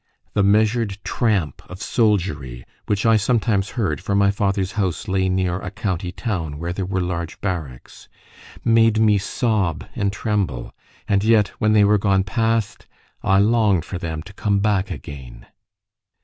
The measured tramp of soldiery which I sometimes heard for my father's house lay near a county town where there were large barracks made me sob and tremble; and yet when they were gone past, I longed for them to come back again.